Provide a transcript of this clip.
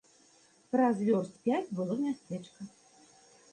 Праз вёрст пяць было мястэчка.